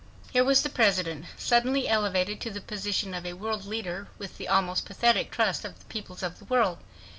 Here was the President, suddenly elevated to the position of a world leader with the almost pathetic trust of the peoples of the world.